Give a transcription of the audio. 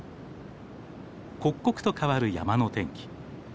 刻々と変わる山の天気。